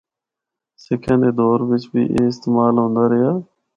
سکھاں دے دور بچ بھی اے استعمال ہوندا رہیا۔